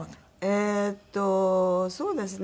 えっとそうですね